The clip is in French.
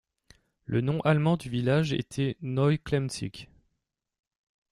Le nom allemand du village était Neu Klemzig.